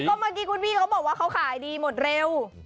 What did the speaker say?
ก็เมื่อกี้คุณพี่เขาบอกว่าเขาขายดีหมดเร็ว